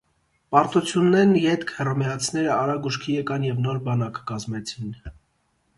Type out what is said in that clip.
Պարտութենէն ետք հռոմէացիները արագ ուշքի եկան եւ նոր բանակ կազմեցին։